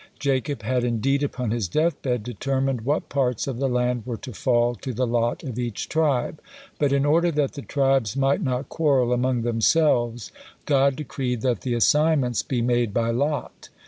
Jacob had indeed upon his death bed determined what parts of the land were to fall to the lot of each tribe, but in order that the tribes might not quarrel among themselves, God decreed that the assignments be made by lot.